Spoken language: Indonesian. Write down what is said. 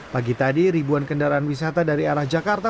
pagi tadi ribuan kendaraan wisata dari arah jakarta